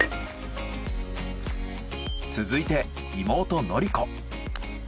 続いて妹宣子。